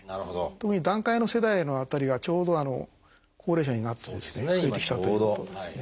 特に団塊の世代の辺りがちょうど高齢者になってですね増えてきたということですね。